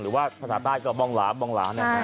หรือว่าภาษาใต้ก็บ้องล้า